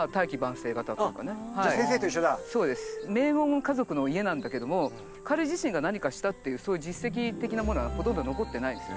名門の家族の家なんだけども彼自身が何かしたっていうそういう実績的なものはほとんど残ってないですね。